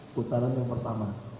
putaran yang pertama